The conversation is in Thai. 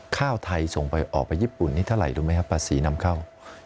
ข้าวไทยส่งไปออกไปญี่ปุ่นนี้เท่าไหร่รู้ไหมครับภาษีนำเข้า